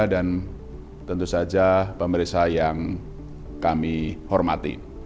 dan tentu saja pemeriksa yang kami hormati